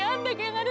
kanda di mana